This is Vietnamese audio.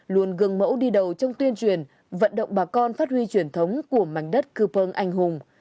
luôn gương mẫu đi đầu trong tuyên truyền vận động bà con phát huy truyền thống của mảnh đất cư pơng anh hùng